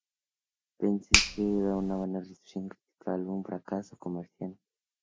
Pese a una buena recepción crítica, álbum fracaso comercialmente.